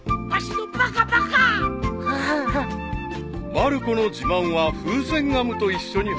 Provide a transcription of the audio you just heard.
［まる子の自慢は風船ガムと一緒にはじけた］